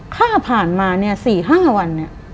ข้าผ่านมา๔๕วัน